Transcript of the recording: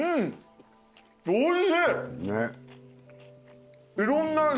おいしい。